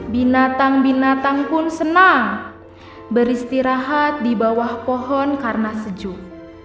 binatang binatang pun senang beristirahat di bawah pohon karena sejuk